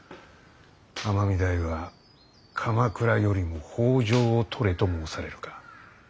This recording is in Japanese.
尼御台は鎌倉よりも北条を取れと申されるか。